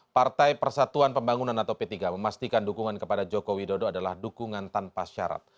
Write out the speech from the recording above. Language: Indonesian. partai persatuan pembangunan atau p tiga memastikan dukungan kepada joko widodo adalah dukungan tanpa syarat